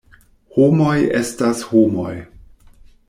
Homoj estas homoj.